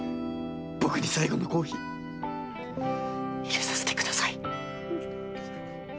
僕に最後のコーヒー入れさせてください